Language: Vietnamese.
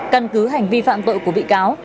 căn cứ hành vi phạm tội của bị cáo